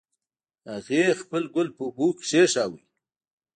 هغې خپل ګل په اوبو کې کېښود